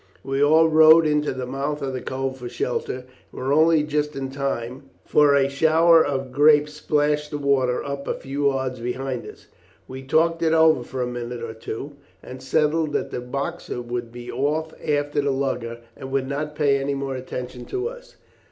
We all rowed into the mouth of the cove for shelter, and were only just in time, for a shower of grape splashed the water up a few yards behind us. "We talked it over for a minute or two, and settled that the Boxer would be off after the lugger and would not pay any more attention to us.